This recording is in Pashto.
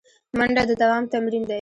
منډه د دوام تمرین دی